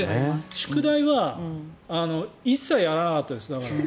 宿題は一切やらなかったです。